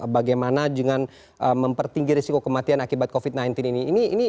bagaimana dengan mempertinggi risiko kematian akibat covid sembilan belas ini